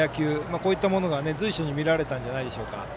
こういったものが随所に見られたんじゃないでしょうか。